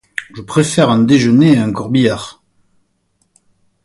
Je préfère un déjeuner à un corbillard.